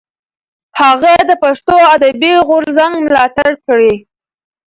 هغه د پښتو ادبي غورځنګ ملاتړ کړی.